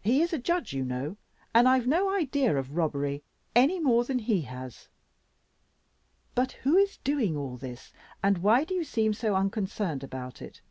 He is a judge you know, and I've no idea of robbery any more than he has. But who is doing all this, and why do you seem so unconcerned about it?